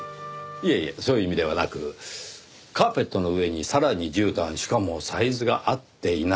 いえいえそういう意味ではなくカーペットの上にさらに絨毯しかもサイズが合っていない。